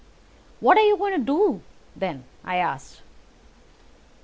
"What are you going to do, then?" I asked.